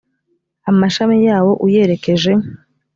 amashami yawo uyerekeje